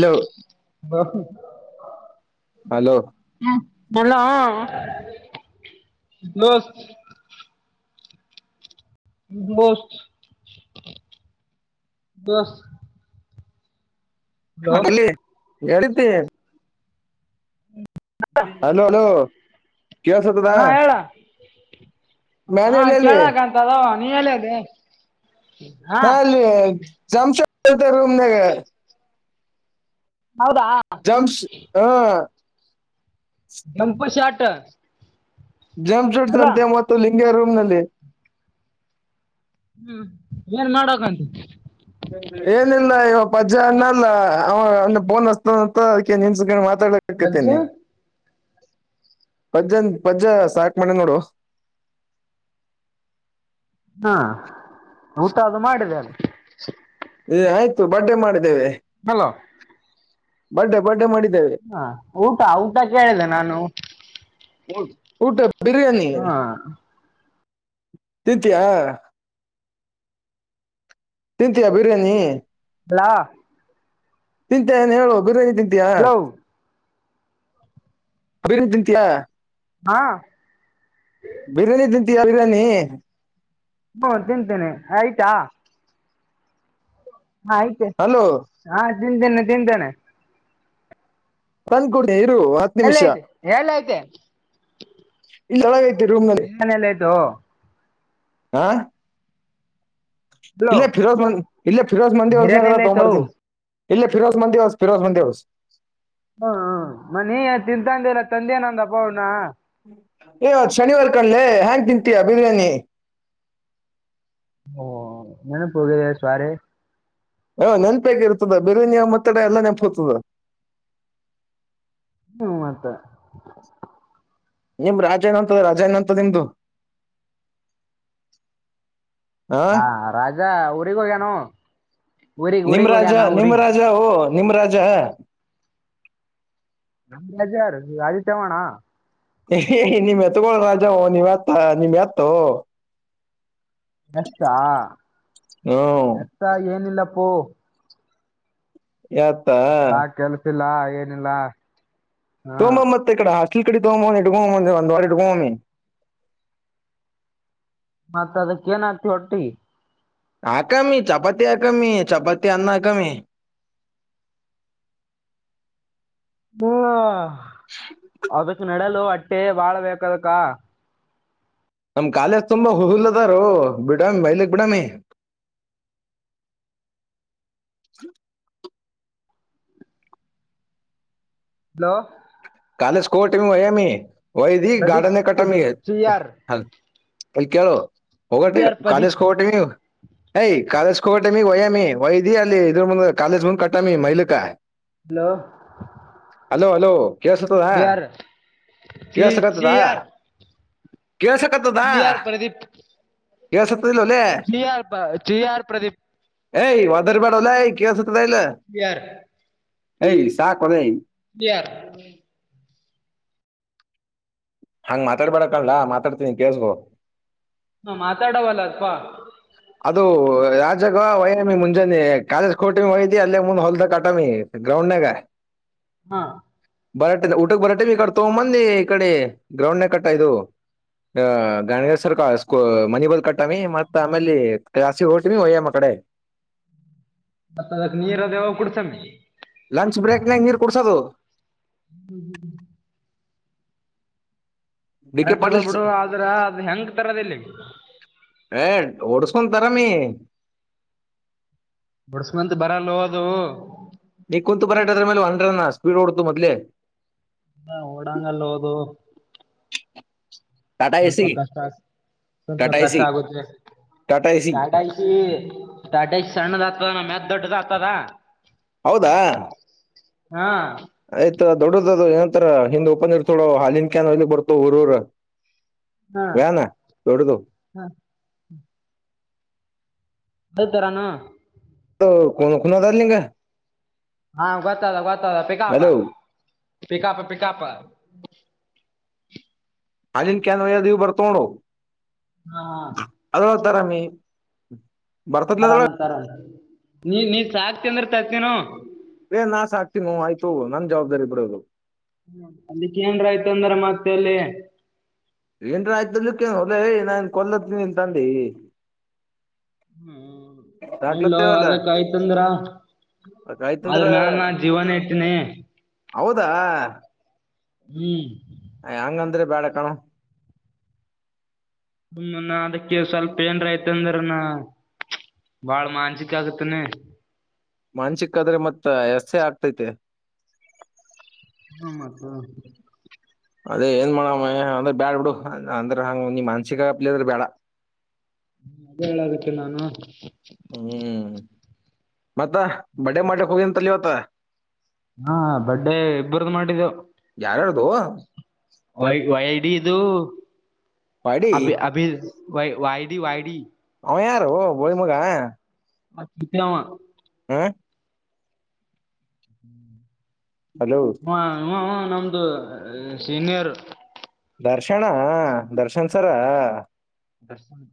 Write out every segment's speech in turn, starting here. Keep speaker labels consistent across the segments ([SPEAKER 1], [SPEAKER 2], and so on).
[SPEAKER 1] Hello hello
[SPEAKER 2] Bhalla [inaudible] ದೋಸ್ತ [unintelligible] hello
[SPEAKER 1] [unintelligible] hello hello ಕೇಳ್ಸತದ
[SPEAKER 2] ಹಾ ಹೇಳ ಹಾ
[SPEAKER 1] ಮ್ಯಾನೇಜ್ ಅಲ್ಲಿ
[SPEAKER 2] ಕೇಳಕತ್ತದೋ ನೀ ಎಲ್ಲಿ ಅದಿ
[SPEAKER 1] ನಾ ಇಲ್ಲಿ [unintelligible] ರೂಮ್ದಾಗ
[SPEAKER 2] ಹೌದಾ
[SPEAKER 1] ಜಂಸ್ ಹಾ
[SPEAKER 2] ಗಂಪ ಶಾಟ
[SPEAKER 1] ಜಮ್ ಸೂಡ್ಸ್ ಅಂತೆ ಮತ್ತು ಲಿಂಗ್ಯ ರೂಮ್ ನಲ್ಲಿ
[SPEAKER 2] ಹ್ಮ್ ಏನ್ ಮಾಡಕಂತೀ
[SPEAKER 1] ಏನಿಲ್ಲ ಇವ ಪಜ್ಜಾ ಅನ್ನಲ್ಲ ಅವ ಅಂದ ಫೋನಚ್ತಾನಂತ ಅದ್ಕೆ ನಿನ್ಸ ಮಾ
[SPEAKER 2] ಅಜ್ಜಿ
[SPEAKER 1] ಮಾತಾಡಕತೇನೀ ಪಜ್ಜನ್ ಪಜ್ಜ ಸಾಕ್ ಮಾಡ್ಯಾನಾ ನೋಡೋ [inaudible]
[SPEAKER 2] ಹಾ ಊಟ ಅದು ಮಾಡಿದೆ
[SPEAKER 1] ಏ ಆಯ್ತು ಬಡ್ಡೆ ಮಾಡಿದ್ದೇವೆ
[SPEAKER 2] ಹಲೋ
[SPEAKER 1] ಬಡ್ಡೆ ಬಡ್ಡೇ ಮಾಡಿ
[SPEAKER 2] ಹಾ ಊಟ ಊಟ ಕೇಳಿದೆ ನಾನು
[SPEAKER 1] ಊಟ
[SPEAKER 2] ಹಾ
[SPEAKER 1] ತಿಂತ್ಯ ತಿಂತೀಯಾ ಬಿರಿಯಾನಿ
[SPEAKER 2] [unintelligible]
[SPEAKER 1] ತಿಂತಿಯಾ ಏನ್ ಹೇಳು ಬಿರಿಯಾನಿ ತಿಂತೀಯಾ
[SPEAKER 2] ಹಲೋ
[SPEAKER 1] [unintelligible] ತಿಂತಿಯಾ
[SPEAKER 2] ಹಾ
[SPEAKER 1] ಬಿರಿಯಾನಿ ತಿಂತಿಯಾ ಬಿರಯಾನಿ
[SPEAKER 2] ಹ್ಮ ತಿಂತೇನೆ ಆಯ್ತಾ ಹ ಐತೆ
[SPEAKER 1] ಹಲೋ
[SPEAKER 2] ಹಾ ತಿಂತೇನೆ ತಿಂತೇನೆ
[SPEAKER 1] ತಂದಕೂಡಿ ಇರು ಹತ್
[SPEAKER 2] ಎಲ್ಲ
[SPEAKER 1] ನಿಮಿಷ
[SPEAKER 2] ಐತೆ ಎಲ್ಲ ಐತೆ
[SPEAKER 1] ಇಲ್ಲಿ ಒಳಗೈತಿ ರೂಮ್ನಲ್ಲಿ
[SPEAKER 2] ಬಿರಿಯಾನಿ ಎಲ್ಲ ಆಯ್ತು
[SPEAKER 1] ಹಾ
[SPEAKER 2] ಹಲೋ
[SPEAKER 1] ಇಲ್ಲೆ ಫಿರೋಜ ಮಂದಿ ಇಲೆ ಫಿರೋಜ ಮಂದಿ ವಸ್ನ
[SPEAKER 2] ಬಿರಿಯಾನಿ
[SPEAKER 1] ಕ
[SPEAKER 2] ಎಲ್ಲ ಆಯ್ತು
[SPEAKER 1] ತಮರ್ ಸಿಂಗ್ ಇಲ್ಲೆ ಫಿರೋಜ್ ಮಂದಿಸ್ ಫಿರೋಸ್ ಮಂದಿ ಹೊಸ್
[SPEAKER 2] ಹ್ಮ ಹ್ಮ್ ಮನಿ ತಿಂತಂದಿಲ್ಲ ತಂದೆನಂದ ಅಬ್ಬ ಅವ್ಣ
[SPEAKER 1] ಏವತ್ ಶನಿವಾರ ಕಣಲ ಹೆಯಾಂಗ್ ತಿಂತೀಯಾ ಬಿರಯಾನಿ
[SPEAKER 2] ಹ್ಮ ನೆನಪೋಗಿದೆ ಸೋರಿ
[SPEAKER 1] ಹಾ ನೆನಪಾಗಿ ಇರ್ತದ ಬಿರಯಾನಿಯ ಮತ್ತಡ ಎಲ್ಲ ನೆನಪು ಹೋತದ
[SPEAKER 2] ಹ್ಮ ಮತ್ತ
[SPEAKER 1] ನಿಮ್ ರಾಜೇನ್ ಅಂತದ ರಾಜಾನ್ ಅಂತ ನಿಮ್ದು
[SPEAKER 2] ಹಾ ರಾಜ ಊರಿಗೆ ಹೋಗ್ಯನು
[SPEAKER 1] ನಿಮ ರಾಜ ನಿಮ್ಮ ರಾಜ ಓ ನಿಮ್ಮ ರಾಜ
[SPEAKER 2] ನಮ ರಾಜ ಯಾರು ರಾಜಿ ಚೇವಣ
[SPEAKER 1] ನಿಮ್ ಎತ್ಗೋಳ್ ರಾಜ ನೀವ್ ಎತ್ತ ನಿಮ್ ಎತ್ತು
[SPEAKER 2] ಎತ್ತಾ
[SPEAKER 1] ಹ್ಮ್
[SPEAKER 2] ಎತ್ತ ಏನಿಲ್ಲಪ್ಪೂ
[SPEAKER 1] ಎತ್ತ
[SPEAKER 2] ನಾ ಕೆಲ್ಸಿಲ್ಲ ಏನಿಲ್ಲ ಹಾಂ
[SPEAKER 1] ತೋಮ್ಮ ಮತ್ತೆ ಕಡೆ ಹ ಕ ಕಡೆ ತಗೋ ಬಂದೇನಿ ಒಂದ್ ವಾರ ಇಟಕೊಂಡೇನಿ
[SPEAKER 2] ಮತ್ತ ಅದಕ್ಕ ಏನ ಆತಿ ಹೊಟ್ಟಿ
[SPEAKER 1] ಹಕಾಮಿ ಚಪಾತಿ ಆಕಾಮಿ ಚಪಾತಿ ಅನ್ನಹಾಕಮಿ
[SPEAKER 2] ಹ್ಮ ಅದಕ್ ನಡಲುಟ್ಟೆ ಬಾಳ್ಬೇಕ ಅದಕ್ಕ
[SPEAKER 1] ನಮ್ ಕಾಲೇಜ್ ತುಂಬಾ ಹುುಲ್ದಾರೂ ಬಿಡಾಮಿ ಮೈಲಕ್ ಬಿಡಮಿ ಹ
[SPEAKER 2] ಹಲೋ
[SPEAKER 1] ಕಾಲೇಸ್ ಕೋಟಿಮ ವಯಾಮಿ ವಯದಿ
[SPEAKER 2] ಪ್ರದೀಪ್
[SPEAKER 1] ಗಾರ್ಢನೆ ಕಟ್ಟಮಿ
[SPEAKER 2] ಚಿಯಾರ್
[SPEAKER 1] ಹಲ್ ಕೇಳು ಹೋಗೋಟ್ಟೆ
[SPEAKER 2] ಚಿಯಾರ್ ಪ್ರದೀಪ್
[SPEAKER 1] ಕಾಲೇಶ್ ಹೋಗೋಟ ನೀವು ಯ್ ಕಾಲೇಶ್ ಟಮಿ ವಯ್ಯಾಮಿ ವೈದಿ ಅಲ್ಲಿ ಇದ್ರ ಮುಂದ್ ಕಾಲೇಜ್ ಮುಂದ್ ಕಟಮಿ ಮೈಲಕ
[SPEAKER 2] ಹಲೋ
[SPEAKER 1] ಹಲೋ ಹಲೋ ಕೆಳಸತದಾ
[SPEAKER 2] ಚಿಯಾರ್ ಚಿ
[SPEAKER 1] ಕಳಸಗತದಾ
[SPEAKER 2] ಚಿಯಾರ್
[SPEAKER 1] ಕೇಳಸಕತದಾ
[SPEAKER 2] ಚಿಯಾರ್ ಜಿಯಾರ್ ಜಿ ಆರ್ ಪ್ರದೀಪ್
[SPEAKER 1] ಎ ವದರ ಬೇಡಾ ಲೇ ಕೆಲ್ಸತ್ ಕೆಲ್ಸತದ ಇಲ್ಲ
[SPEAKER 2] ಚಿಯಾರ್
[SPEAKER 1] ಎ ಸಾಕ್ ಲೇ
[SPEAKER 2] ಚಿಯಾರ್
[SPEAKER 1] ಹಾಂಗ್ ಮಾತಾಡ್ಬೇಡಕಣಲಾ ಮಾತಾಡ್ತೀನಿ ಕೇಳಸಕೋ
[SPEAKER 2] ಹ ಮಾತಾಡವಲ್ಲ ಅಲ್ಪ
[SPEAKER 1] ಅದು ರಾಜಾಗ ವಯಮಿ ಮುಂಜಾನೆ ಕಾಲೇಜ್ ಕೋಟಮಿ ವಯತಿ ಅಲ್ಲೇ ಮುಂದ್ ಹೊಲ್ದ ಕಟಮಿ ಗ್ರಾೌಂಡನಾಗ್
[SPEAKER 2] ಹಾ
[SPEAKER 1] ಬರಾಟೆ ಊಟಕ್ಕೆ ಬರಾಟೆ ಈ ಕಡೆ ತೊಂಬಂದಿ ಈ ಕಡೆ ಗ್ರೌಂಡ್ ನ ಕಟ್ಟ ಇದು ಅ ಗಾಣೇಗ್ಯಾರ್ ಸರ್ಕ ಸ್ ಮನಿ ಬಂದ್ ಕಟ್ಟಾಮಿ ಮತ್ತ ಆಮೇಲ್ಲಿ ಜಾಸಿ ಹೊರ್ಟನಿ ಒಯ್ಯಮ್ಮ ಕಡೆ
[SPEAKER 2] ಮತ್ತ ಅದಕ್ ನೀರ್ ಅದ ಯಾವಾಗ ಕುಡಿಸಮ್ಮಿ
[SPEAKER 1] ಲಂಚ್ ಬ್ರೇಕ್ನಾಗ ನೀರ್ ಕೊಡ್ಸೋದು.
[SPEAKER 2] ಹ್ಮ್ ಹ್ಮ್್ಮ
[SPEAKER 1] ಡಿ ಕೆ
[SPEAKER 2] ಕರೆಕ್ಟ್ ಅದ
[SPEAKER 1] ಪಾಟೀಲ್
[SPEAKER 2] ಬಿಡು ಆದ್ರ ಅದು ಹೆಂಗ ತರದ ಇಲ್ಲಿ
[SPEAKER 1] ಓಡ್ಸ್ಕೊಂತಾರಾಮೀ
[SPEAKER 2] ಬುಡ್ಸ್ ಮತ್ ಬರಲ್ಲ ಹೋದು
[SPEAKER 1] ನೀ ಕುಂತು ಪರಾಟ ಅದ್ರ ಮೇಲೆ ಹಂಡ್ರನಾ ಸ್ಪೀಡ್ ಓಡ್ತು ಮೊದ್ಲೆ
[SPEAKER 2] ಇಲ್ಲ ಓಡಾಂಗಲ್ಲ ಹೋದು
[SPEAKER 1] [unintelligible]
[SPEAKER 2] ಸ್ವಲ್ಪ
[SPEAKER 1] ಎಸಿ
[SPEAKER 2] ಕಷ್ಟ ಆಗ್ ಸ್ವಲ್ಪ
[SPEAKER 1] ಟಾಟಾ
[SPEAKER 2] ಕಷ್ಟ
[SPEAKER 1] ಎಸಿ
[SPEAKER 2] ಆಗುದ್ರೆ
[SPEAKER 1] ಟಾಟಾ ಎಸಿ
[SPEAKER 2] ಸಾಡ ಐಶ ಸಾಡಐಶ ಸಣ್ಣ ಜದ ಮ್ಯಾಚ್ ದೊಡ್ಡ ಜತದಾ
[SPEAKER 1] ಹೌದಾ
[SPEAKER 2] ಹಾ [inaudible]
[SPEAKER 1] ಆಯ್ತಾ ದೊಡ್ಡದ ಅದು ಏನಂತರ ಹಿಂದ್ ಓಪನ್ ಇರ್ ಥೊಡೋ ಹಾಲಿನ ಕ್ಯ ಇಲ್ಲಿ ಬರ್ತ ಊರೂರ
[SPEAKER 2] ಹಾ
[SPEAKER 1] ವ್ಯಾನ ದೊಡ್ಡದು
[SPEAKER 2] ಹಾ ಅದು ತರಾನ
[SPEAKER 1] ಕ ಕುನದಾರಲಿಂಗ
[SPEAKER 2] ಹಾ ಗೊತ್ತಲ್ಲ ಗೊತ್ತಲ್ಲ ಪಿಕಾಪ
[SPEAKER 1] ಅಲೋ
[SPEAKER 2] ಪಿಕಾಪ ಪಿಕಾಪ
[SPEAKER 1] ಅಾಲಿನ್ ಕನ್ವ ದವ ಬರ್ತೋಣೋ
[SPEAKER 2] ಹಾ
[SPEAKER 1] ದರಾಮ
[SPEAKER 2] ಆರಾಮತ್ತ ಆರಾಮ್ ನೀ ನೀ ಸಾಕ್ ತ ಅಂದ್ರೆ ತತೀನ
[SPEAKER 1] ಏ ನಾ ಸಾಕ್ತನ ಆಯ್ತು ನನ್ ಜವಾಬ್ದಾರಿ ಬಿಡೋದು
[SPEAKER 2] ಹ ಅಲ್ಲಿಕ್ಕೆ ಏನ್ರ ಆಯ್ತ ಅಂದ್ರ ಮತ್ತ ಅಲ್ಲಿ
[SPEAKER 1] ಏನ್ರ ಆಯ್ತಕ್ಕೇನು ಹೊಲ್ಲ ನಾನ್ ಕೊಲ್ಲತ್ತನಿನ್ ತಂಡಿ
[SPEAKER 2] ಹ್ಮ್ ಎಲ್ಲ
[SPEAKER 1] ಸಾಕ್ಲತ್ತೇವಲ್ಲ
[SPEAKER 2] ಅದಕ್ಕ ಆಯ್ತಂದ್ರ
[SPEAKER 1] ಅದ್ ಆಯ್ತಂದ್ರ
[SPEAKER 2] ಆದ್ರ ನನ್ ನಾ ಜೀವನ ಇತನಿ
[SPEAKER 1] ಹೌದಾ
[SPEAKER 2] ಹ್ಮ್
[SPEAKER 1] ಹೆಂಗಂದ್ರೆ ಬ್ಯಾಡ ಕಣು
[SPEAKER 2] ಹ್ಮ ಅದಕ್ಕೆ ಸ್ವಲ್ಪ ಏನ್ರಯ್ತ ಅಂದ್ರ ನ ಬಾಳ ಮಾಂಸಿಕ ಆಗತನೆ
[SPEAKER 1] ಮಾನ್ಸಿಕಾದ್ರೆ ಮತ್ತ ಎಸೆ ಆಗ್ತೈತೆ
[SPEAKER 2] ಹ ಮತ
[SPEAKER 1] ಅದೇ ಏನ್ ಮಾಡಮ್ಮ ಅಂದ್ರ ಬ್ಯಾಡ ಬಿಡು ಅಂದ್ರ ಹಂಗ ನಿಮ್ ಅನ್ಸಿಕಪ್ಲಿ ಅದ್ರ ಬೇಡ
[SPEAKER 2] ಹ್ಮ ಅದೇ ಹೇಳದಕ್ಕೆ ನಾನು
[SPEAKER 1] ಹ್ಮ್ ಮತ್ತ ಬಡ ಮಾಡಕ್ ಹೋಗಿಂತಲ್ಲಿವತ್ತ
[SPEAKER 2] ಹಾ ಬಡ್ಡೇ ಇಬ್ಬರದು ಮಾಡಿದ್ದವು
[SPEAKER 1] ಯಾರ್ಯಾರ್ದು
[SPEAKER 2] ವೈ ವೈಡಿ ಇದು
[SPEAKER 1] ಪಾಡಿ
[SPEAKER 2] ಅಭ ಅಭಿ ವ ವಾಯಡಿ ವಾಯಡಿ
[SPEAKER 1] ಹ್ ಯಾರು ಬೋಳಿ ಮಗೆ ಹಾ
[SPEAKER 2] ಹ ಚತಾಮ
[SPEAKER 1] ಹ್ಮ ಹಲೋ
[SPEAKER 2] ಹ ನಮ್ದು ಸೀನಿಯರ್
[SPEAKER 1] ದರ್ಶನ ದರ್ಶನ್ ಸರ
[SPEAKER 2] ದರ್ಶ್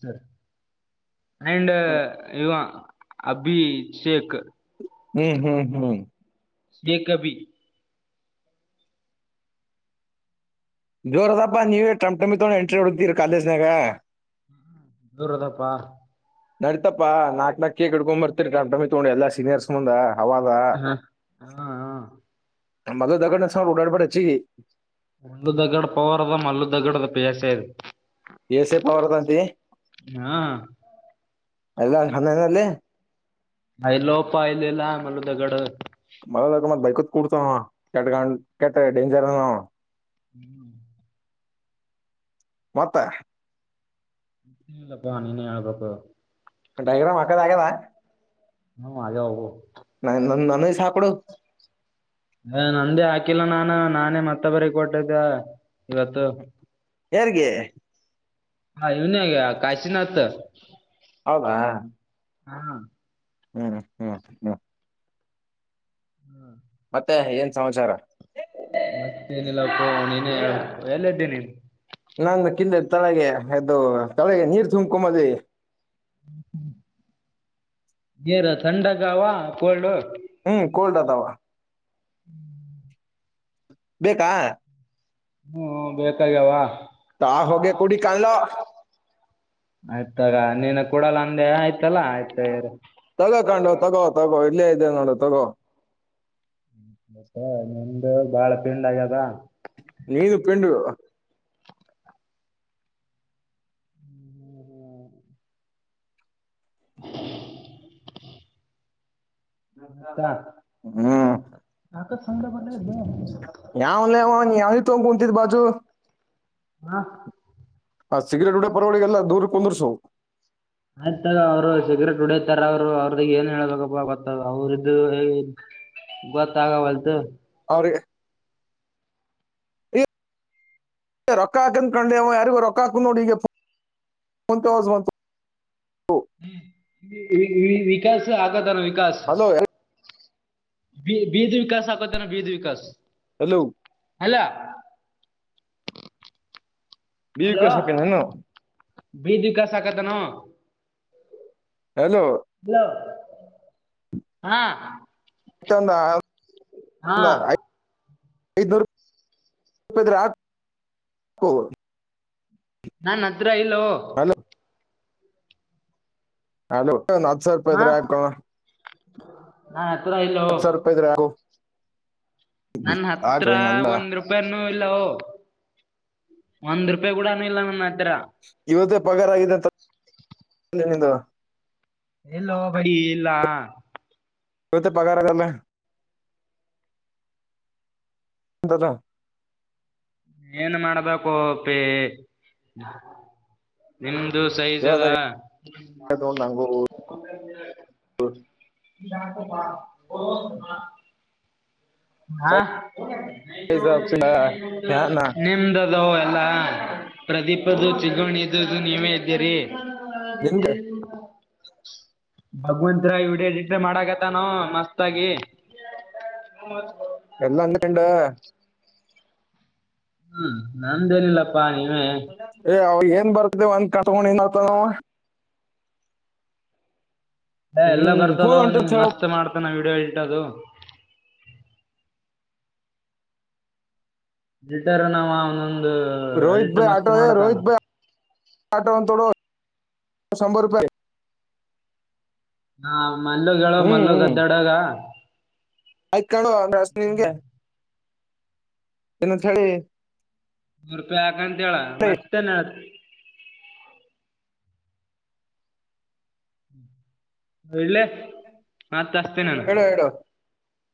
[SPEAKER 2] ಸರ್ ಅಂಡ್ ಇವ ಅಭಿ ಶೇಕ
[SPEAKER 1] ಹ್ಮ್ ಹ್ಮ್ ಹ್ಮ್
[SPEAKER 2] ಈ ಕಭ
[SPEAKER 1] ಜೋರ್ ಅದಪ್ಪ ನೀವೇ ಟಮ್ ಟಮಿ ತಗೊಂಡ ಎಂಟ್ರಿ ಹೊಡತೀರಿ ಕಾಲೇಜ್ನಯಾಗ
[SPEAKER 2] ದೂರ ಅದಪ್ಪಾ
[SPEAKER 1] ನಡಿತತಾ ನಾಕ್ ನಾಕ ಕಡ್ಕೊಂಡ್ಂಬರ್ತತಿರಿ ಅಮಟಮಿ ತಗೊಂಡಿ ಎಾ ಸೀನಿಯರ್ಸ್ ಮುಂದ ಹದಾ
[SPEAKER 2] ಹಾ ಹಾ
[SPEAKER 1] ಮದ ದಗನ ಉಡಡ್ಪಡ ಹೆಚ್ಚ
[SPEAKER 2] ಪಜ ಸರ್
[SPEAKER 1] ಎೇ ಸೇಪ ವರ್ತಂತೆ [unintelligible]
[SPEAKER 2] ಹಾ
[SPEAKER 1] ಎಲ್ಲ ಸ್ಣನಲ್ಲಿ [unintelligible]
[SPEAKER 2] ಆಐಲೋಪ್ಪ ಇಲ್ಲಿಲ್ಲ ಮಲು ದಗಡು
[SPEAKER 1] ಕುಡ್ತ ಕೆ ಗ ಕೆಟ್ಟ ಡೇಂಜರ್ [unintelligible]
[SPEAKER 2] ಹ್ಮ್
[SPEAKER 1] ಮತ್ತ.
[SPEAKER 2] ಇಲ್ಲಪ್ಪ ನೀನೆ ಹೇಳಬೇಕು
[SPEAKER 1] ಡೈಗ್ರಾಮ್ ಹಾಕದ ಆಗ್ಯದ
[SPEAKER 2] ಹ್ಮ್ ಆಗ್ಯಾವು
[SPEAKER 1] ನ ನ ನನ ಸಾ ಆ ಆ ಕೊಡು
[SPEAKER 2] ಹ ನಂದೇ ಹಾಕಿಲ್ಲ ನಾನು ನಾನೇ ಮತ್ತೆ ಬರ ಕೊಟ್ಟದ
[SPEAKER 1] ಯಾರಿಗೆ
[SPEAKER 2] ಹಾ ಇವನಿಗೆ ಕಾಶಿನಥ್
[SPEAKER 1] ಹೌದಾ
[SPEAKER 2] ಹಾ
[SPEAKER 1] ಹ್ಮಹ್ಮ್ ಹ್ಮ್
[SPEAKER 2] ಹ್ಮ್
[SPEAKER 1] ಮತ್ತೆ ಏನ್ ಸಮಾಚಾರ
[SPEAKER 2] ಮತ್ತೆೇನಿಲ್ಲಪ್ಪ ನೀನು ಎಲ್ಲ [unintelligible] ನೀ
[SPEAKER 1] ಕಿಲ್ಲ ತಳಗೆ ಎದ್ದು ತಲೆಗೆ ನೀರ್ ತುಂಬಕೊಂಬಲ್ಲಿ
[SPEAKER 2] ಹ್ಮ ಹ್ಮ್ ನೀರ ತಥಂಡಗ ಅವ ಕೋಲ್ಡ್
[SPEAKER 1] ಹ್ಮ್ ಕೋಲ್ಡ್ ಅದವಾ
[SPEAKER 2] ಹ್ಮ್
[SPEAKER 1] ಬೇಕಾ
[SPEAKER 2] ಹ್ಮ್ ಬೇಕಾಗ್ಯಾವ
[SPEAKER 1] ತಾ ಹೋಗ ಕುೂಡಿ ಕಲ್ಲು
[SPEAKER 2] ಆಯ್ತಾಗ ನೀನ ಕೂಡಲ್ಲ ಅಂದೆ ಆಯ್ತು ಆಯ್ತಲ್ಲ ಇರು
[SPEAKER 1] ತಗೋಕಂಡ ತಗೋ ತಗೋ ಇಲ್ಲೇ ಇದೆ ನೋಡು ತಗೋ
[SPEAKER 2] ಹ್ಮೂನಿಮ್ದ ಬಾಳ ಪಿಂಡ್ ಆಗ್ಯದ
[SPEAKER 1] ನೀನು ಪಿಂಡೃ
[SPEAKER 2] [unintelligible] ಮತ್ತ
[SPEAKER 1] ಹ್ಮ್.
[SPEAKER 2] ಯಾಕ ಸೌಂಡ ಬರ್ಲಿಕತ್ತದ?
[SPEAKER 1] ಯಾವಲ್ಲವ ಯಾವಿ ತೊಂಡ ಕುಂತಿದ್ ಬಾಜು.
[SPEAKER 2] ಹಾ
[SPEAKER 1] ಹ ಸಿಗ್ರೇಟ್ ಉಡಡೆ ಬಂದೋರಿಗೆಲ್ಲ ದೂರ್ರು ಕುಂದರ್ಸವು
[SPEAKER 2] ಆಯ್ತಾಗ ಅವ್ರು ಸಿಗ್ರೇಟ್ ಹೊಡತಾರ ಅವ್ರು ಅವ್ರದ ಏನ್ ಹೇಳ್ಬೇಕಪ್ಪಾ ಗೊತ್ತ ಅವ್ರ್ದು ಗೊತ್ತಾಗವ ವಾಲ್ದ
[SPEAKER 1] ಅವರಿಗೆ ರೊಕ್ಕ ಹಾಕನ್ ಕಂಡೆ ಯಾರಿಗು ರೊಕ್ಕ ಹಾಕ್ ನೋಡಿ ಈಗೋ ತ ಬಂತು [unintelligible]
[SPEAKER 2] ಹ್ಮ ವಿಕಾಸ ಆಗತಾರ ವಿಕಾಸ
[SPEAKER 1] ಹಲೋ
[SPEAKER 2] ಬ ಬೀದ್ ವಿಕಾಸ್ ಹಾಕೋದೇನ ಬೀದ್ ವಿಕಾಸ್
[SPEAKER 1] ಹಲೋ
[SPEAKER 2] ಅಲ್ಲ
[SPEAKER 1] ಬೀಗ
[SPEAKER 2] ಹಲೋ
[SPEAKER 1] ಕಳ್ಸಕ ನಾನು
[SPEAKER 2] ಬೀದ್ ವಿಕಾಸ ಆಕತನ
[SPEAKER 1] ಹಲೋ
[SPEAKER 2] ಹಾ
[SPEAKER 1] ಮತ್ತ
[SPEAKER 2] ಹಾ
[SPEAKER 1] [unintelligible] ಐದನೂರುಕ [unintelligible]
[SPEAKER 2] ನನ್ ಹತ್ರ ಇಲ್ಲೋ
[SPEAKER 1] ಹಲೋ ಹಲೋ ಹತ್ತು ಸಾವ್ರ ರೂಪಾಯಿ
[SPEAKER 2] ಹಾ
[SPEAKER 1] ಇದ್ರ ಆಕ
[SPEAKER 2] ನನ್ನ ಹತ್ರ ಇಲ್ಲೋ
[SPEAKER 1] ಹತ್ತು ಸಾವ್ರ ರೂಪಾಯಿ ಇದ್ರ ಆಕು
[SPEAKER 2] ನನ್ ಹತ್ರ
[SPEAKER 1] ನಂದ
[SPEAKER 2] ಒಂದ್ ರೂಪಾಯಿ ಇಲ್ಲ ಒಂದ್ ರೂಪಾಯಿ ಕೂಡ ಇಲ್ಲ ನನ್ನ ಹತ್ರ
[SPEAKER 1] ಇವದೇ ಪಗಾರ ಆಗಿದೆ ನಿ
[SPEAKER 2] ಎಲ್ಲೋ ಬೈ ಎಲ್ಲಾ
[SPEAKER 1] ಇವತ್ತ ಪಗಾರ ಅಲ್ಲ ದಾದಾ
[SPEAKER 2] ಏನ್ ಮಾಡ್ಬೇಕು ಪಿ ನಿಮ ಇದು ಸಹಜದ
[SPEAKER 1] ಹೇಳ್ದಾಗ ಹ್ಮ
[SPEAKER 2] ನಕ ಬಾ ಓ ಹಾ
[SPEAKER 1] ಸೈಜ್ ಪಿಂಡ ಫ್ಯಾನ
[SPEAKER 2] ನಿಮ್ದ ಅಲೋ ಎಲ್ಲಾ ಪ್ರದೀಪದು ತಿಗಣಿ ಇದದು ನೀವೇ ಇದ್ದೀರಿ ಹದ
[SPEAKER 1] ನಿಂದೆ
[SPEAKER 2] ಭಗವಂತರ ಇಡಟ್ರೆ ಮಾಡಕತ ನಾವ ಮಸ್ತ್ ಆಾಗಿ ಮದು
[SPEAKER 1] ಎಲ್ಲ ಅಂದ ಇಂಡ
[SPEAKER 2] ಹ್ಮ್ ನಂದ ಎಲ್ಲ
[SPEAKER 1] ಏ ಅವ ಏನ್ ಬರ್ತ ಒಂದ ಕಟ್ಕೊಂಡ ಇನ್ತ ನಾವ
[SPEAKER 2] ಎಲ್ಲ
[SPEAKER 1] ಹ್ಮ್
[SPEAKER 2] ಬರ್ತದ
[SPEAKER 1] ಫೋನ್
[SPEAKER 2] ನೀ
[SPEAKER 1] ಹೊಂಟಂತ ಹೇಳ
[SPEAKER 2] ಮಸ್ತ್ ಮಾಡ್ತಾನ ವಿಡಿಯೋ ಹಟ್ಟದು ಬಿಟ್ಟಾರ ನಾವ ಒಂದೊಂದ
[SPEAKER 1] ರೋಹತ್ ಭಾಯ ಆಟೋ ಯ ರೋಹತ್ ಭೈ ಆಟೋೋಡೋ ಶಂಭರ ರೂಪಾಯ
[SPEAKER 2] ಹಾ ಮಲ್ಲ ಹೇಳುವ ಮಲ್ಲ ಗದ್ದಾಡಾಗ
[SPEAKER 1] ಆಯ್ತ ಕಡುವ ಅಂದ್ರಸ್ ನಿನ್ಗೆ ಇನ್ನು ಚಡೆ
[SPEAKER 2] ನೂರು ರೂಪಾಯಿ ಹಾಕಂತ ಹೇಳ ಮತ್ತೆನ ಹಲ್ಲ ನತ್ತ ಅಸ್ತನಾನ
[SPEAKER 1] ಹೇಳು ಹೇಳು